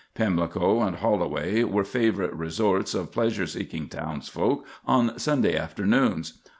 Pimlico and Holloway were favorite resorts of pleasure seeking townsfolk on Sunday afternoons.